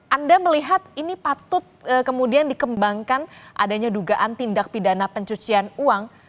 anda melihat ini patut kemudian dikembangkan adanya dugaan tindak pidana pencucian uang